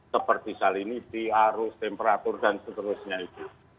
seperti saliniti arus temperatur dan seterusnya itu